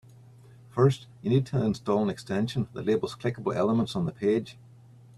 First, you need to install an extension that labels clickable elements on the page.